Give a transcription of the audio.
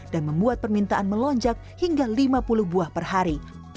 dan membuat permintaan melonjak hingga lima puluh buah per hari